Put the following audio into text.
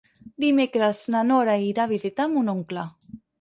Dimecres na Nora irà a visitar mon oncle.